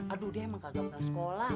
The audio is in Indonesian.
aduh dia emang kagak pernah sekolah